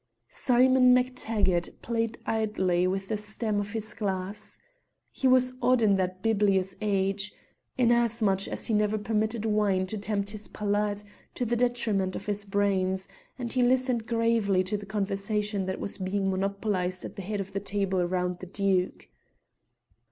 Simon MacTaggart played idly with the stem of his glass. He was odd in that bibulous age, inasmuch as he never permitted wine to tempt his palate to the detriment of his brains, and he listened gravely to the conversation that was being monopolised at the head of the table round the Duke.